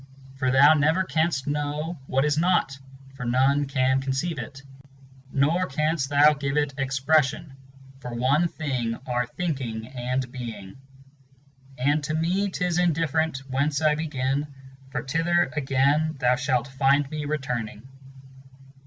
For thou never canst know what is not (for none can conceive it), Nor canst thou give it expression, for one thing are Thinking and Being. " And to me 'tis indifferent Whence I begin, for thither again thou shalt find me returning.